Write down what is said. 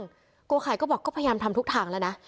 โกไข่ก็บอกก็พยายามทำทุกทางแล้วนะ